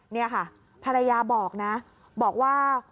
นี่ค่ะภรรยาบอกนะบอกว่า